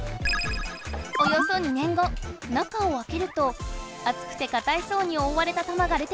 およそ２年後中をあけるとあつくてかたい層におおわれた玉が出てくる。